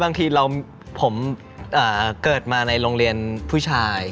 บางทีผมเกิดมาในโรงเรียนผู้ชาย